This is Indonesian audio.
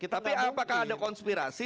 tapi apakah ada konspirasi